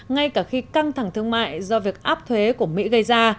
ngay cả khi căng thẳng thương mại do việc áp thuế của mỹ gây ra